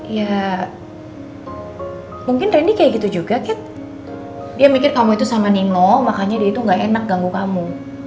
ya mungkin rendy kayak gitu juga kan dia mikir kamu itu sama nino makanya dia itu gak enak ganggu kamu